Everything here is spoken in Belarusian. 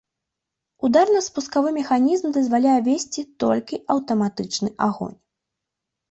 Ударна-спускавы механізм дазваляе весці толькі аўтаматычны агонь.